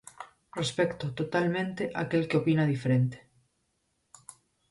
Respecto totalmente aquel que opina diferente.